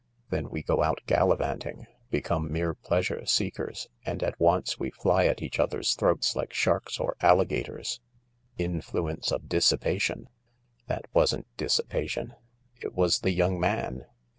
Then we go out gallivanting — become mere pleasure seekers — and at once we fly at each other's throats like sharks or alligators. Influence of dissipation, "That wasn't dissipation; it was the young man."